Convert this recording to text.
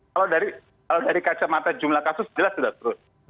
kalau dari kacamata jumlah kasus jelas sudah terus